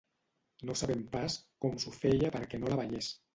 No sabem pas com s'ho feia perquè no la veiés.